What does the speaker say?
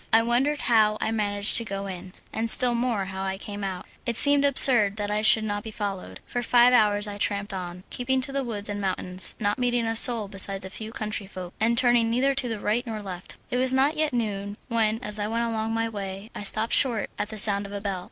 I wondered how I managed to go in, and still more how I came out; it seemed absurd that I should not be followed. For five hours I tramped on, keeping to the woods and mountains, not meeting a soul besides a few countryfolk, and turning neither to the right nor left. It was not yet noon, when, as I went along my way, I stopped short at the sound of a bell.